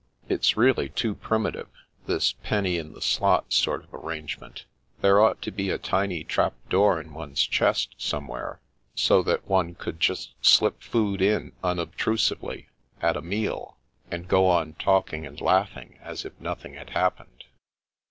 It's really too primitive, this penny in the slot sort of arrangement. There ought to be a tiny trap door in one's chest somewhere, so that one could just slip food in unobtrusively, at a meal, and The Path of the Moon 165 go on talking and laughing as if nothing had hap pened.